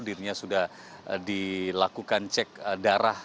dirinya sudah dilakukan cek darah